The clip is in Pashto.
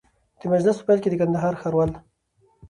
د مجلس په پیل کي د کندهار ښاروال